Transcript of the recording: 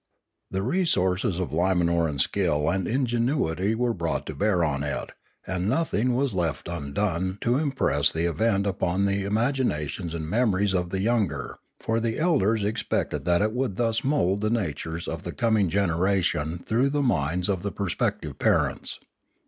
The resources of Limanoran skill and ingenuity were brought to bear on it, and nothing was left undone to The Manora and the Imanora 553 impress the event upon the imaginations and memories of the younger, for the elders expected that it would thus mould the natures of the coming generation through the minds of the prospective parents.